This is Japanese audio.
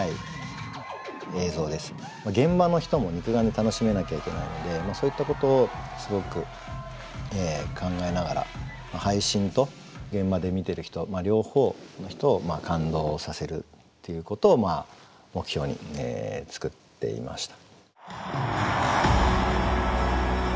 現場の人も肉眼で楽しめなきゃいけないのでそういったことをすごく考えながら配信と現場で見てる人両方の人を感動させるっていうことを目標に作っていました。